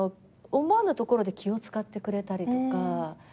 思わぬところで気を使ってくれたりとか。